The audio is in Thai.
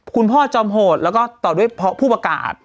คุณพ่อจอมโหดแล้วก็ต่อด้วยผู้ประกาศ